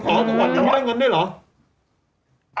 อ๋อออกแบบนี้ได้เงินด้วยหรอ